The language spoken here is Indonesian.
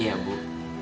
iya bu mas andre baik